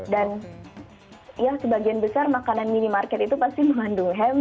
dan ya sebagian besar makanan minimarket itu pasti mengandung ham